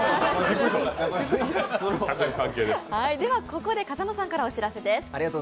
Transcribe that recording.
ここで、風間さんからお知らせです。